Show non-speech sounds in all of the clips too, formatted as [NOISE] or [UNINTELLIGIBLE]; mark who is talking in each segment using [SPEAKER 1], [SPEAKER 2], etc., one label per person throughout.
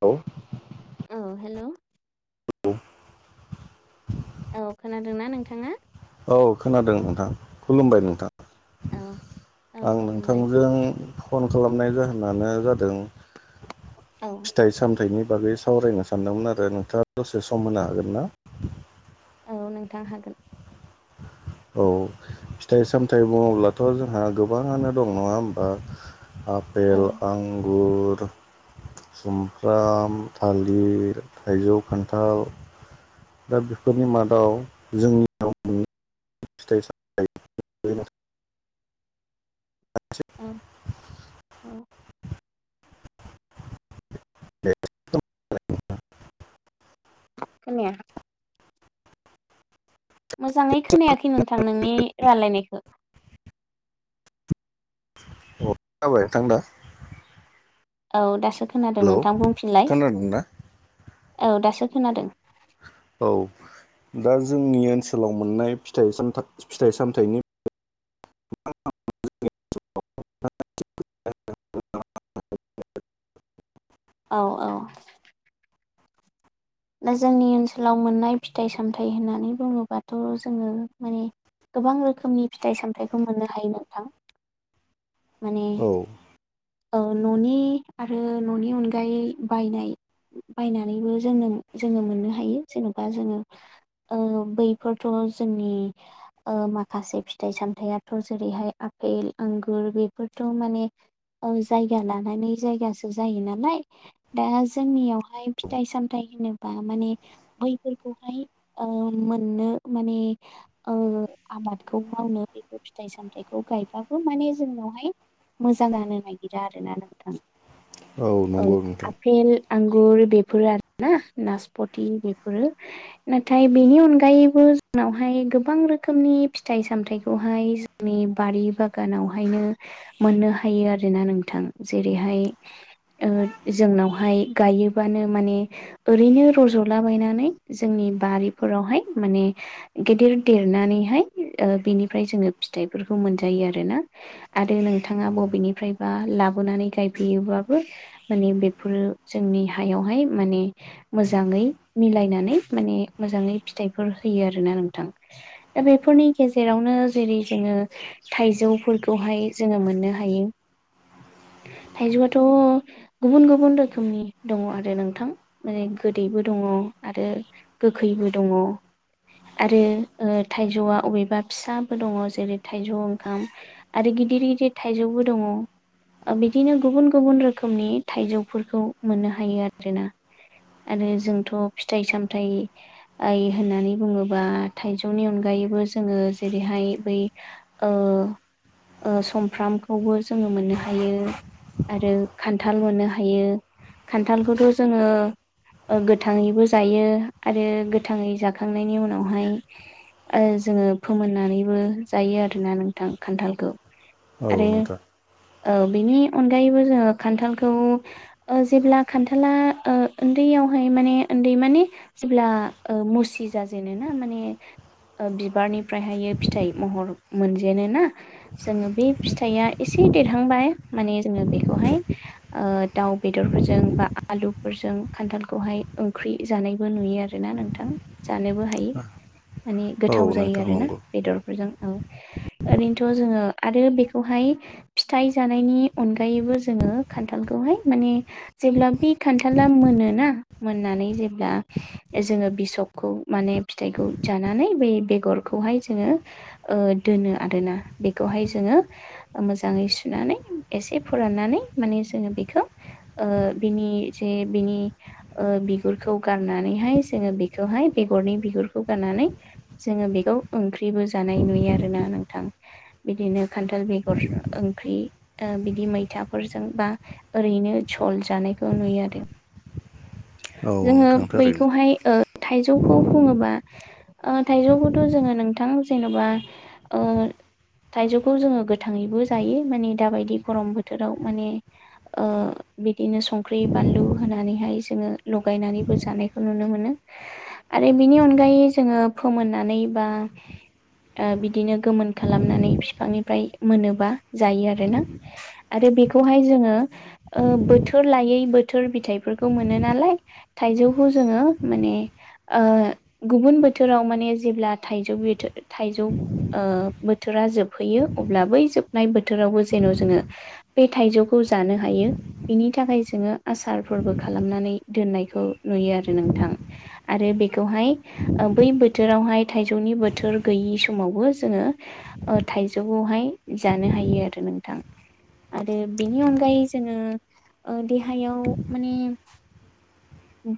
[SPEAKER 1] औ
[SPEAKER 2] औ हेलौ
[SPEAKER 1] [UNINTELLIGIBLE] औ
[SPEAKER 2] औ खोनादोंना नोंथाङा
[SPEAKER 1] औ खोनादों नोंथां खुलुमबाय नोंथां
[SPEAKER 2] औ औ
[SPEAKER 1] आं
[SPEAKER 2] खुलुमबाय
[SPEAKER 1] नोंथांजों फन खालामनाय जाहोनानो जादों
[SPEAKER 2] औ
[SPEAKER 1] फिथाइ सामथायइनि बागै सावरायनो सान सानदोंमोन आरो नोंथाङा दसे सम होनो हागोन ना
[SPEAKER 2] औ नोंथां हागोन
[SPEAKER 1] औ फिथाइ सामथाइ बुङोब्लाथ' जोंहा गोबाङानो दं नङा होमबा
[SPEAKER 2] औ
[SPEAKER 1] आपेल आंगुर सुमफ्राम, थालिर, थाइजौ, खान्थाल दा बेफोरनि मादाव जोंनियाव मोननाय फिथाइ सामथाइनि बारै नोंथां
[SPEAKER 2] उम औ
[SPEAKER 1] [UNINTELLIGIBLE]
[SPEAKER 2] खोनाया मोजाङै खोनायाखै नोंथां नोंनि रायलायनायखो
[SPEAKER 1] अ खोनाबाय नोंथां दा
[SPEAKER 2] औ दासो खोनादों
[SPEAKER 1] हेलौ
[SPEAKER 2] नोंथां बुंफिनलाय
[SPEAKER 1] खोनादोंना
[SPEAKER 2] औ दासो खोनादों
[SPEAKER 1] औ दा जोंनि ओनसोलाव मोननाय फिथाइ सानथाइ फिथाइ सामथाइनि [INAUDIBLE]
[SPEAKER 2] औ औ दा जोंनि ओनसोलाव मोननाय फिथाइ सामथाइ होननानै बुङोबाथ' जोङो माने गोबां रोखोमनि फिथाइ सामथाइखौ मोननो हायो नोंथां माने
[SPEAKER 1] औ
[SPEAKER 2] औ न'नि आरो न'नि अनगायै बायनाय बायनानैबो जोंनो जोङो मोननो हायो जेन'बा जोङो औ बैफोरथ' जोंनि ओ माखासे फिथाइ सामथायाइथ' जेरैहाय आपेल आंगुर बेफोरथ' माने औ जायगा लानानै जायगासो जायो नालाय दा जोंनियावहाय फिथाइ सामथाइ होनोबा माने बैफोरखौहाय ओ मोननो माने ओ आबादखौ मावनो बेफोर फिथाइ सामथाइखौ गायबाबो माने जोंनावहाय मोजां जानो नागिरा आरोना नोंथां औ
[SPEAKER 1] नंगौ नोंथां
[SPEAKER 2] आपेल आंगुर बेफोरो आरोना नासपथि बेफोरो नाथाय बेनि अनगायैबो जोंनावहाय गोबां रोखोमनि फिथाइ सामथायाइखौहाय नि बारि बागानावहायनो मोननो हायो आरोना नोंथां जेरैहाय ओ जोंनावहाय गायोबानो माने ओरैनो रज'लाबायनानै जोंनि बारिफोरावहाय माने गेदेर देरनानैहाय ओ बेनिफ्राय जोङो फिथाइफोरखौ मोनजायो आरोना आरो नोंथाङा बबेनिफ्रायबा लाबोनानै गायफैयोबाबो माने बेफोरो जोंनि हायावहाय माने मोजाङै मिलायनानै माने मोजाङै फिथाइफोर होयो आरोना नोंथां दा बेफोरनि गेजेरावनो जेरै जोङो थाइजौफोरखौहाय जोङो मोननो हायो थाइजौआथ' गुबुन गुबुन रोखोमनि दङ आरो नोंथां माने गोदैबो दङ आरो गोखैबो दङ। आरो थाइजौआ अबेबा फिसाबो दङ जेरै थाइजौ ओंखाम आरो गिदिर गिदिर थाइजौबो दङ। ओ बिदिनो गुबुन गुबुन रोखोमनि थाइजौफोरखौ मोननो हायो आरोना। आरो जोंथ' फिथाइ सामथाइ आइ होननानै बुङोबा थाइजौनि अनगायैबो जोङो जेरैहाय बै ओ समफ्रामखौबो जोङो मोननो हायो। आरो खान्थाल मोननो हायो खान्थालखौथ' जोङो ओ गोथाङैबो जायो आरो गोथाङै जाखांनायनि उनावहाय ओ जोङो फोमोननानैबो जायो आरोना नोंथां खान्थालखौ।
[SPEAKER 1] औ नोंथां
[SPEAKER 2] औ बेनि अनगायैबो जोङो खान्थालखौ ओ जेब्ला खान्थाला उन्दैयावहाय माने उन्दै माने जेब्ला मुसि जाजे ना माने बिबारनिफ्रायहायो फिथाइ महर मोनजेनो ना जोङो बे फिथाइया एसे देरहांबाय माने जोङो बेखौहाय दाउ बेदरफोरजों बा आलुफोरजों खान्थालखौहाय ओंख्रि जानायबो नुयो आरो। आरो ना नोंथां जानोबो हायो माने
[SPEAKER 1] औ
[SPEAKER 2] गोथाव जायो
[SPEAKER 1] नोंथां
[SPEAKER 2] आरोना
[SPEAKER 1] नंगौ
[SPEAKER 2] बेदर फोरजों औ ओरैनोथ' जोङो आरो बेखौहाय फिथाइ जानायनि अनगायैबो जोङो खान्थालखौहाय माने जेब्ला बे खान्थाला मोनोना मोननानै जेब्ला जोङो बिसकखौ माने फिथाइखौ जानानै बे बेगरखौहाय जोङो ओ दोनो आरोना बेखौहाय जोङो ओ मोजाङै सुनानै एसे फोराननानै माने जोङो बेखौ ओ बिनि जे बिनि ओ बिगुरखौ गारनानैहाय जोङो बेखौहाय बेगरनि बिगुरखौ गारनानै जोङो बेखौ ओंख्रिबो जानाय नुयो आरोना नोंथां बिदिनो खान्थाल बेगर ओंख्रि बिदि मैथाफोरजों बा ओरैनो जल जानायखौ नुयो आरो।
[SPEAKER 1] औ
[SPEAKER 2] जोङो
[SPEAKER 1] नोंथां थारैनो
[SPEAKER 2] बैखौहाय ओ थाइजौखौ बुङोबा ओ थाइजौखौथ' जोङो नोंथां जेन'बा ओ थाइजौखौ जोङो गोथाङैबो जायो माने दाबायदि गरम बोथोराव माने ओ बिदिनो संख्रि बानलु होनानैहाय जोङो लगायनानैबो जानायखौ नुनो मोनो। आरो बिनि अनगायै जोङो फोमोननानै बा ओ बिदिनो गोमोन खालामनानै फिफांनिफ्राय मोनोबा जायो आरोना। आरो बेखौहाय जोङो ओ बोथोर लायै बोथोर बिथाइफोरखौ मो मोनो नालाय थाइजौखौ जोङो माने ओ गुबुन बोथोराव माने जेब्ला थाइजौ बिथो थाइजौ ओ बोथोरा जोबहैयो अब्ला बै जोबनाय बोथोरावबो जेन' जोङो बे थाइजौखौ जानो हायो बिनि थाखाय जोङो आसारफोरबो खालामनानै दोननायखौ नुयो आरो नोंथां आरो बेखौहाय ओ बै बोथोरावहाय थाइजौनि बोथोर गैयि समावबो जोङो ओ थाइजौखौहाय जानो हायो आरो नोंथां। आरो बिनि अनगायै जोङो ओ देहायाव माने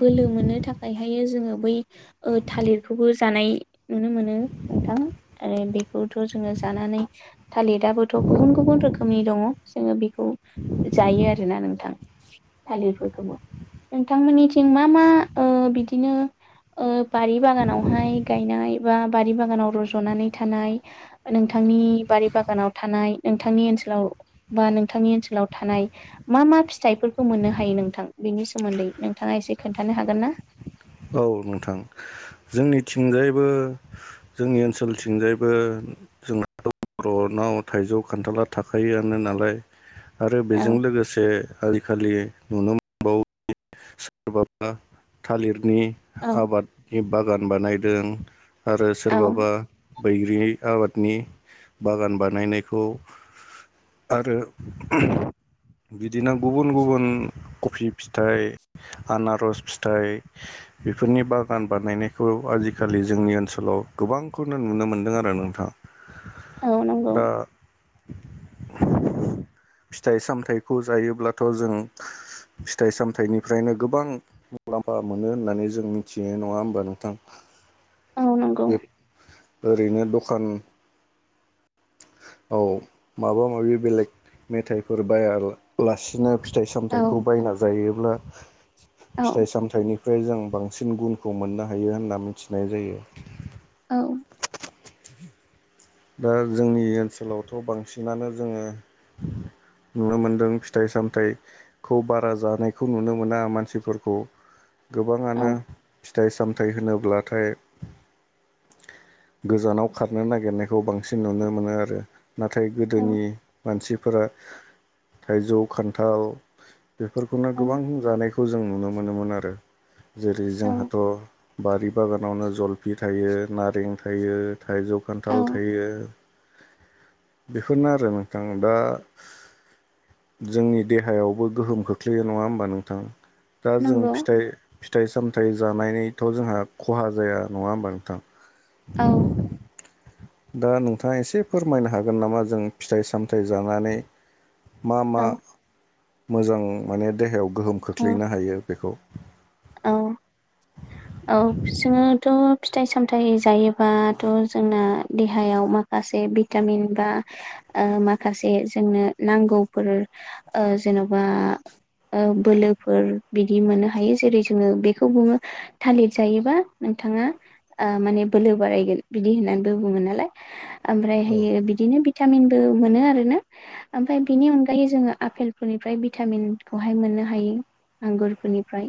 [SPEAKER 2] बोलो मोननो थाखायहायो जोङो बै ओ थालिरखौबो जानाय नुनो मोनो नोंथां। आरो बेखौथ' जोङो जानानै थालिराबोथ' गुबुन गुबुन रोखोमनि दङ जोङो बेखौ जायो आरोना नोंथां? थालिरफोरखौबो नोंथांमोननि थिं मा मा ओ बिदिनो ओ बारि बागानावहाय गायनाय बा बारि बागानाव रज'नानै थानाय नोंथांनि बारि बागानाव थानाय नोंथांनि ओनसोलाव बा नोंथांनि ओनसोलाव थानाय मा मा फिथाइफोरखौ मोननो हायो नोंथां बेनि सोमोन्दैनो थाङा एसे खोन्थानो हागोन ना?
[SPEAKER 1] औ नोंथां जोंनिथिंजायबो जोंनि ओनसोलथिंजायबो जोंना बर'नाव थाइजौ खान्थाला थाखायोआनो नालाय। आरो बेजों
[SPEAKER 2] औ
[SPEAKER 1] लोगोसे आलिखालि नुनो मोन सोरबाबा थालिरनि
[SPEAKER 2] औ
[SPEAKER 1] आबाद बागान बानायदों आरो
[SPEAKER 2] औ
[SPEAKER 1] सोरबाबा बैग्रि आबादनि बागान बानायनायखौ आरो बिदिनो गुबुन गुबुन कफि फिथाइ आनार'स फिथाइ बेफोरनि बागान बानायनायखौ आजिखालि जोंनि ओनसोलाव गोबांखौनो नुनो मोनदों आरो नोंथां।
[SPEAKER 2] औ नंगौ
[SPEAKER 1] दा फिथाइ सामथाइखौ जायोब्लाथ' जों फिथाइ सामथाइनिफ्रायनो गोबां मुलाम्फा मोनो होननानै जों मिथियो नङा होमबा नोंथां?
[SPEAKER 2] औ नंगौ
[SPEAKER 1] बे ओरैनो दखान औ माबा माबि बेलेग मेथाइफोर बायालासिनो फि फिथाइ
[SPEAKER 2] औ
[SPEAKER 1] सामथाइखौ बायना जायोब्ला
[SPEAKER 2] औ
[SPEAKER 1] फिथाइ सामथायनि फ्राय जों बांसिन गुनखौ मोननो हायो होनना मिथिनाय जायो।
[SPEAKER 2] औ
[SPEAKER 1] दा जोंनि ओनसोलावथ' बांसिनानो जोङो नुनो मोनदों फिथाइ सामथाइखौ बारा जानायखौ नुनो मोना मानसिफोरखौ।
[SPEAKER 2] औ
[SPEAKER 1] गोबाङानो फिथाइ सामथाइ होनोब्लाथाय गोजानाव खारनो नागिरनायखौ बांसिन नुनो मोनो आरो। नाथाय
[SPEAKER 2] औ
[SPEAKER 1] गोदोनि मानसिफोरा थाइजौ खान्थाल बेफोरखौनो
[SPEAKER 2] औ
[SPEAKER 1] गोबां जानायखौ जों नुनो मोनोमोन आरो जेरै
[SPEAKER 2] औ
[SPEAKER 1] जोंहाथ' बारि बागानावनो जलफि थायो नारें थायो थाइजौ खान्थाल
[SPEAKER 2] औ
[SPEAKER 1] थायो। बेफोरनो आरो नोंथां दा जोंनि देहायावबो गोहोम खोख्लैयो नङा होमबा नोंथां? दा जों
[SPEAKER 2] नंगौ
[SPEAKER 1] फिथाइ फिथाइ सामथाइ जानायनिथ' जोंहा खहा जाया नङा होमबा नोंथां?
[SPEAKER 2] औ।
[SPEAKER 1] दा नोंथाङा एसे फोरमायनो हागोन नामा जों फिथाइ सामथाइ जानानै मा मा
[SPEAKER 2] औ
[SPEAKER 1] मोजां माने देहायाव गोहोम
[SPEAKER 2] औ
[SPEAKER 1] खोख्लैनो हायो बेखौ
[SPEAKER 2] औ
[SPEAKER 1] [INAUDIBLE]
[SPEAKER 2] औ जोङोथ' फिथाइ सामथाइ जायोबाथ' जोंना देहायाव मा गासै भिटामिन बा ओ माखासे जोंनो नांगौफोर ओ जेन'बा ओ बोलोफोर बिदि मोननो हायो जेरै जोंङो बेखौ बुंङो थालिर जायोबा नोंथांङा आ माने बोलो बारायगोन बिदि होननानैबो बुंङो नालाय
[SPEAKER 1] औ
[SPEAKER 2] ओमफ्रायहायो बिदिनो भिटामिनबो मोनो आरैनो। ओमफ्राय बिनि अनगायै जोंङो आफेलफोरनिफ्राय भिटामिनखौहाय मोननो हायो। आंगुरफोरनिफ्राय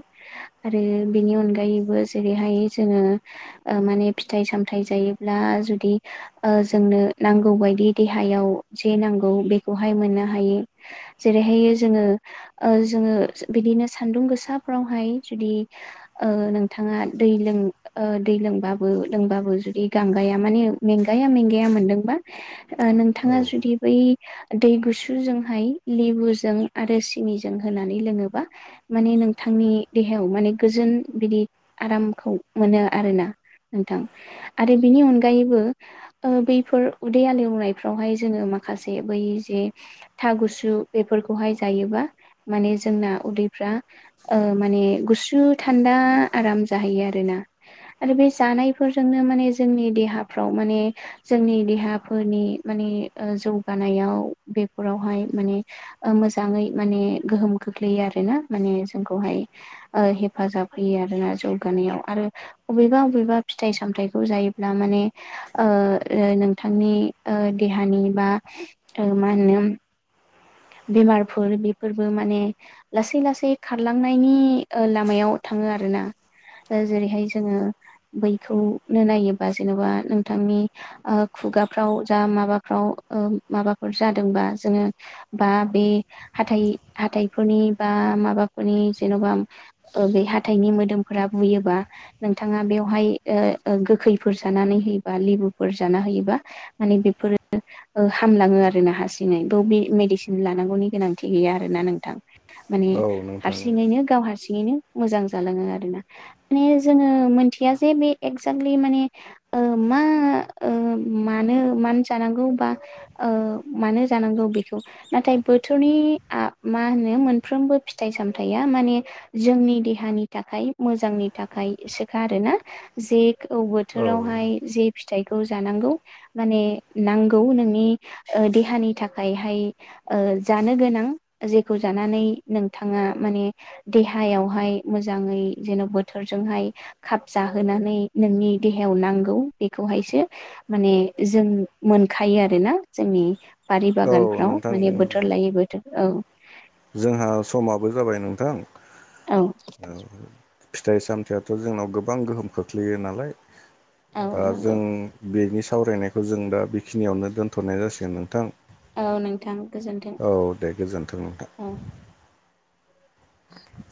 [SPEAKER 2] आरो बेनि अनगायैबो जेरैहाय जोंङो ओ माने फिथाइ सामथायाइ जायोब्ला जुदि ओ जोंनो नांगौबायदि देहायाव जि नांगौ बेखौहाय मोननो हायो जेरैहाय जोंङो जोंङो बिदिनो सान्दुं गोसाफ्रावहाय जुदि नोंथांङा दै लों दै लोंबाबो लोंबाबो जुदि गांगाया माने मेंगाया मेंगाया मोनदोंबा
[SPEAKER 1] औ
[SPEAKER 2] नोंथांङा जुदि बै दै गुसुजोंहाय लेबुजों आरो सिनिजों होनानै लोंङोबा माने नोंथांनि देहायाव माने गोजोन बिदि आरामखौ मोनो आरोना नोंथां आरो बिनि अनगायैबो ओ बैफोर उदै आालोवनायफ्रावहाय जोंङो माखासे बै जे था गुसु बेफोरखौहाय जायोबा माने जोंना उदैफ्रा माने गुसु थान्दा आराम जाहोयो आरो ना आरो बे जानायफोरजोंनो माने जोंनि देहाफ्राव माने जोंनि देहाफोरनि माने जौगानायाव बेफोरावहाय माने मोजांङै माने गोहोम खग्लैयो आरो ना माने जोंखौहाय हेफाजाब होयो आरोना जौगानायाव आरो अबेबा अबेबा फिथाइ सामथायाइखौ जायोब्ला माने नोंथांनि देहानि बा मा होनो बेमारफोर बेफोरबो माने लासै लासै खारलांनायनि लामायाव थांङो आरोना जेरैहाय जोंङो बैखौनो नायोबा जेन'बा नोंथांनि खुगाफ्राव जा माबाफ्राव माबाफोर जादोंबा जोंङो बा बे हाथाइ हाथाइफोरनि बा माबाफोरनि जेन'बा बे हाथाइनि मोदोमफोरा बुयोबा नोंथांङा बेवहाय गोखैफोर जानानै होयोबा लेबुफोर जाना होयोबा माने बेफोरो हामलाङो आरोना हारसिंङै बे मेडिसिन लानांगौनि गोनांथि गैया आरोना नोंथां माने
[SPEAKER 1] औ नोंथां
[SPEAKER 2] हारसिङैनो गाव हारसि बिदिनो मोजां जालाङो आरोना माने जोंङो मोनथिया जे बे एक्जाक्टलि माने ओ मा मानो मानो जानांगौबा ओ मानो जानांगौ बेखौ नाथाय बोथोरनि मा होनो मोनफ्रोमबो फिथाइ सामथाइया माने जोंनि देहानि थाखाय मोजांनि थाखायसोखा आरोना जेक औ बोथोरावहाय जे फिथाइखौ जानांगौ माने नांगौ नोंनि देहानि थाखायहाय जानो गोनां जेखौ जानानै नोंथांङा माने देहायावहाय मोजांङै जेन' बोथोरजोंहाय खाब जाहोनानै नोंनि देहायाव नांगौ बेखौहायसो माने जों मोनखायो आरोना जोंनि बारि
[SPEAKER 1] औ
[SPEAKER 2] बागानफ्राव
[SPEAKER 1] नोंथां
[SPEAKER 2] लायो बोथोर औ
[SPEAKER 1] जोंहा समाबो जाबाय नोंथां
[SPEAKER 2] औ
[SPEAKER 1] फिथाइ सामथायाइयाथ' जोंनाव गोबां गोहोम खोख्लैयो नालाय
[SPEAKER 2] औ
[SPEAKER 1] दा जों
[SPEAKER 2] नंगौ
[SPEAKER 1] बेनि सावरायनायखौ जों दा बेखिनियावनो दोनथ'नाय जासिगोन नोंथां
[SPEAKER 2] औ नोंथां गोजोन्थों
[SPEAKER 1] औ दे गोजोन्थों नोंथां
[SPEAKER 2] औ
[SPEAKER 1] [INAUDIBLE]